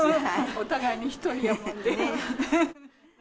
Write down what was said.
お互いに１人なもんでね。